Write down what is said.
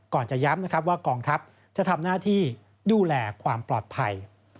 ก่อนจะย้ำว่ากองทัพจะทำหน้าที่ดูแลความปลอดภัย